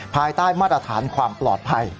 ภายใต้มาตรฐานความปลอดภัย